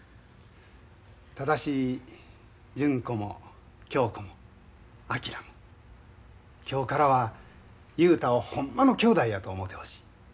ただし純子も恭子も昭も今日からは雄太をほんまのきょうだいやと思うてほしい。